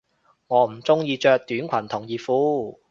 我唔鍾意着短裙同熱褲